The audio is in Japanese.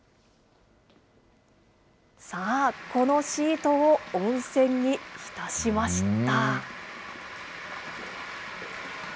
さあ、このシートを温泉に浸しました。